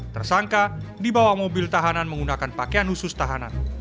tersangka dibawa mobil tahanan menggunakan pakaian khusus tahanan